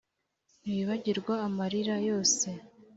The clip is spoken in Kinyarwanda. ntiwibagirwa amarira yose